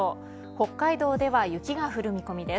北海道では雪が降る見込みです。